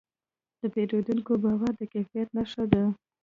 د پیرودونکي باور د کیفیت نښه ده.